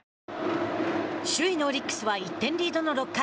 首位のオリックスは１点リードの６回。